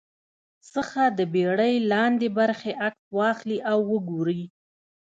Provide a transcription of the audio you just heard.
څخه د بېړۍ لاندې برخې عکس واخلي او وګوري